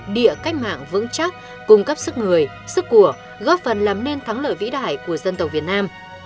địa cách mạng vững chắc cung cấp sức người sức của góp phần làm nên thắng lợi vĩ đại của dân tộc việt nam